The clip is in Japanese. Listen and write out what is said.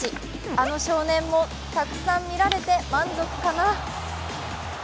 あの少年も、たくさん見られて満足かな。